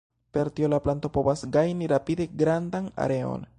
Per tio la planto povas gajni rapide grandan areon.